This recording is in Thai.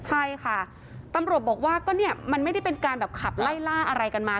ใช่ค่ะตำรวจบอกว่าก็เนี่ยมันไม่ได้เป็นการแบบขับไล่ล่าอะไรกันมา